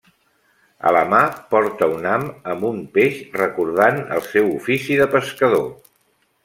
A la mà, porta un ham amb un peix, recordant el seu ofici de pescador.